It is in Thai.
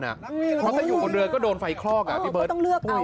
เหรอแล้วถ้าอยู่ข้างด้านเดือนก็โดนไฟคลอกอ่ะเวิร์ทก็ต้องเลือก